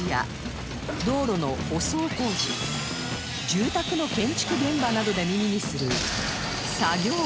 住宅の建築現場などで耳にする